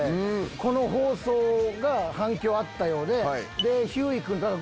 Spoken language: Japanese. この放送が反響あったようで。